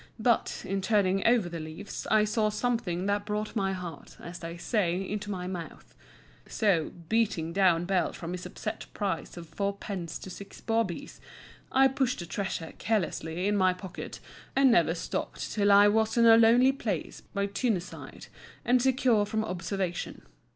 But, in turning over the leaves, I saw something that brought my heart, as they say, into my mouth. So, beating down Bell from his upset price of fourpence to six bawbees, I pushed the treasure carelessly in my pocket, and never stopped till I was in a lonely place by Tyne side and secure from observation.